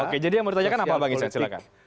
oke jadi yang mau ditanyakan apa bang isan silahkan